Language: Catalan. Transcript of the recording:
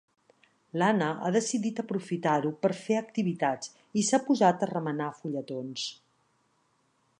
L'Anna ha decidit aprofitar-ho per fer activitats i s'ha posat a remenar fulletons.